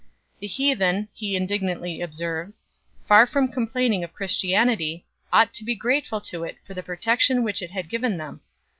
The heathen, he indignantly observes, far from complaining of Christianity, ought to be grateful to it for the protection which it had given them.